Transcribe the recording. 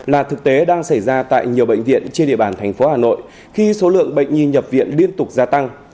là thực tế đang xảy ra tại nhiều bệnh viện trên địa bàn thành phố hà nội khi số lượng bệnh nhi nhập viện liên tục gia tăng